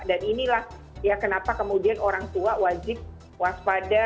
dan inilah ya kenapa kemudian orang tua wajib waspada